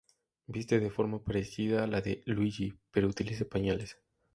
Viste de forma parecida a la de Luigi, pero utiliza pañales.